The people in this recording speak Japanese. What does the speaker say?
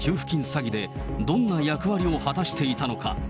詐欺で、どんな役割を果たしていたのか。